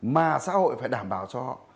mà xã hội phải đảm bảo cho họ